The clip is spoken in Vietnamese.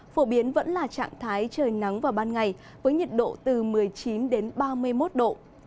phổ biến vẫn là trạng thái trời nắng vào ban ngày với nhiệt độ từ một mươi chín đến ba mươi một độ